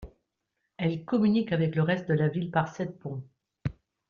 Elle communique avec le reste de la ville par sept ponts.